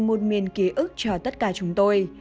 một miền ký ức cho tất cả chúng tôi